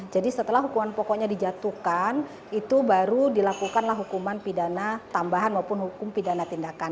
jadi setelah hukuman pokoknya dijatuhkan itu baru dilakukanlah hukuman pidana tambahan maupun hukum pidana tindakan